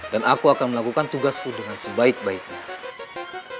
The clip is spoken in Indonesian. dan aku akan melakukan tugasku dengan sebaik baiknya